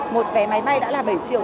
một vé máy bay đã là bảy triệu